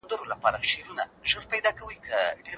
د حوالې سیستم څنګه د افغانستان او ترکیې ترمنځ کار کوي؟